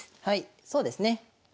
はいそうですね。